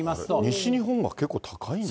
西日本が結構高いんや。